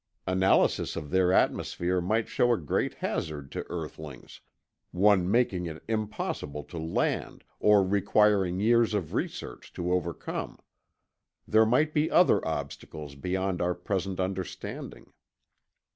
Analysis of their atmosphere might show a great hazard to earthlings, one making it impossible to land or requiring years of research to overcome. There might be other obstacles beyond our present understanding.